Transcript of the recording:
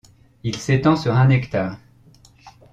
Il s'étend sur un hectare.